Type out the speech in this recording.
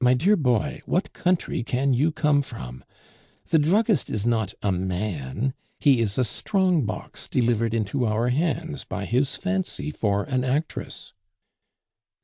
"My dear boy, what country can you come from? The druggist is not a man; he is a strong box delivered into our hands by his fancy for an actress."